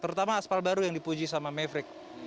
terutama aspal baru yang dipuji sama maverick